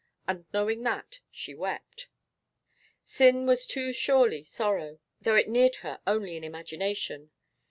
And knowing that, she wept. Sin was too surely sorrow, though it neared her only in imagination.